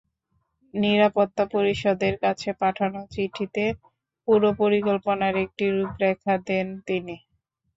নিরাপত্তা পরিষদের কাছে পাঠানো চিঠিতে পুরো পরিকল্পনার একটি রূপরেখা দেন তিনি।